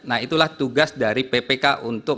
nah itulah tugas dari ppk untuk